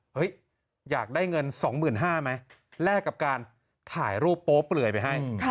อยากได้เงิน๒๕๐๐ไหมแลกกับการถ่ายรูปโป๊เปลือยไปให้